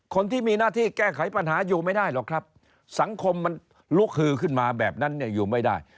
คนที่มีหน้าที่แก้ไขปัญหาอยู่ไม่ได้หรอกครับสังคมมันลุกฮือขึ้นมาแบบนั้นเนี่ยอยู่ไม่ได้